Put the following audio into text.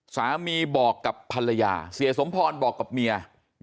สามีบอกกับภรรยาเสียสมพรบอกกับเมีย